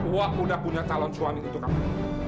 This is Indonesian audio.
wa udah punya talon suami untuk kamu